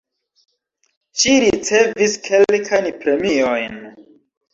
Ŝi ricevis kelkajn premiojn.